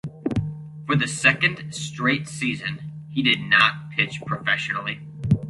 For the second straight season, he did not pitch professionally.